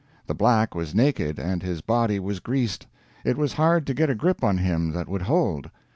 The Black was naked, and his body was greased. It was hard to get a grip on him that would hold.